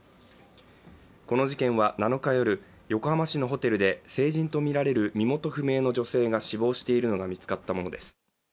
この事件は７日夜、横浜市のホテルで成人とみられる身元不明の女性が死亡しているのが見つかったものです。